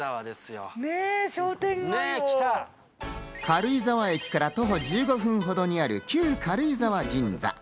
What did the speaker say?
軽井沢駅から徒歩１５分ほどにある旧軽井沢銀座。